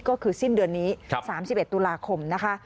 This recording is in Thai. ก็คือสิ้นเดือนนี้๓๑ตุลาคมนะคะ